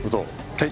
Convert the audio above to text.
はい。